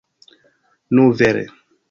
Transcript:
Nu, vere.